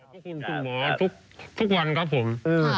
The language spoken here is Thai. พี่คินคุณหมอทุกวันครับผม